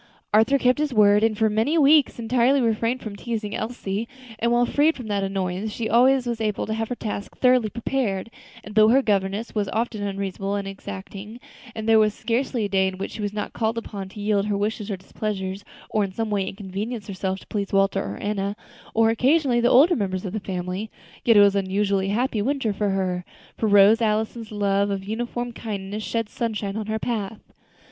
Arthur kept his word, and for many weeks entirely refrained from teasing Elsie, and while freed from that annoyance she was always able to have her tasks thoroughly prepared; and though her governess was often unreasonable and exacting, and there was scarcely a day in which she was not called upon to yield her own wishes or pleasures, or in some way to inconvenience herself to please Walter or Enna, or occasionally the older members of the family, yet it was an unusually happy winter to her, for Rose Allison's love and uniform kindness shed sunshine on her path.